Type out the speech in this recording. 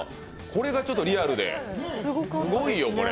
これがリアルで、すごいよ、これ。